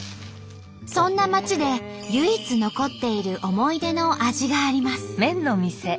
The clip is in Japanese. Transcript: そんな町で唯一残っている思い出の味があります。